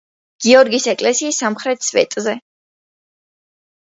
გიორგის ეკლესიის სამხრეთ სვეტზე.